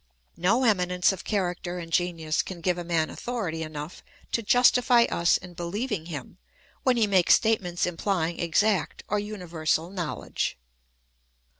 No eminence of charac ter and genius can give a man authority enough to justify us in beheving him when he makes statements implying exact or universal knowledge.